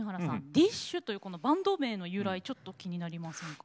ＤＩＳＨ／／というこのバンド名の由来ちょっと気になりませんか？